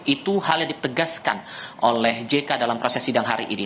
itu hal yang ditegaskan oleh jk dalam proses sidang hari ini